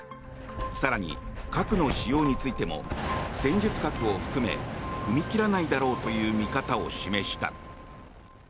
更に、核の使用についても戦術核を含め踏み切らないだろうとの見方を示した。